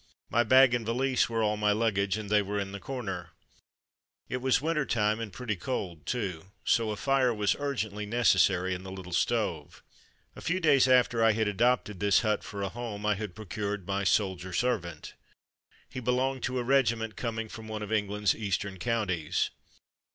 My bag and valise were all my luggage and they were in the corner. It was winter time and pretty cold, too, so a fire was urgently necessary in the little stove. ^ 52 My Soldier Servant 53 A few days after I had adopted this hut for a home, I had procured my ''soldier servant. " He belonged to a regiment com ing from one of England's eastern counties.